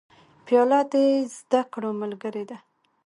پیاله د زده کړو ملګرې ده.